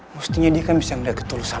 mestinya dia kan bisa ngeliat ke telusan aku